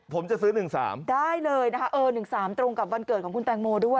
ผมจะซื้อ๑๓ได้เลยนะคะเออ๑๓ตรงกับวันเกิดของคุณแตงโมด้วย